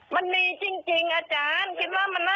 มันมีจริงอาจารย์คิดว่ามันน่า